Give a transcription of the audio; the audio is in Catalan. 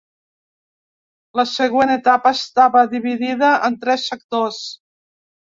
La següent etapa estava dividida en tres sectors.